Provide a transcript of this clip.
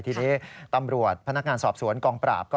ทีนี้ตำรวจพนักงานสอบสวนกองปราบ